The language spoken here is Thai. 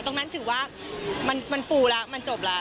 ตรงนั้นถือว่ามันฟูแล้วมันจบแล้ว